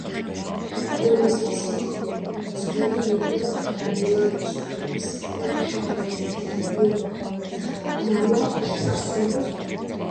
პოზიციით მცველი იყო და მილანში თავის საქმეს პირნათლად ასრულებდა.